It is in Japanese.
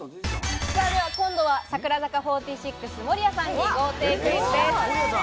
今度は櫻坂４６・守屋さんに豪邸クイズです。